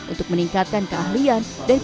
untuk meningkatkan keahlian dan